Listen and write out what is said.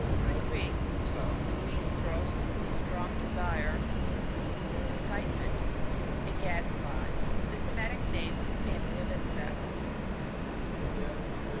— Fiom the Greek, oiHros, strong desire, inciti ment ; a gad fly. Systematic name of a family of insects.